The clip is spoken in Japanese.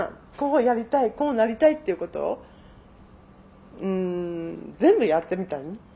こうなりたいっていうことをうん全部やってみた。